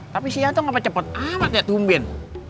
tapi si yanto kenapa cepet amat ya tumben